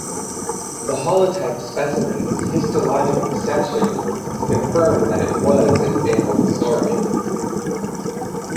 The holotype specimen was histologically sectioned to confirm that it was an ankylosaurian.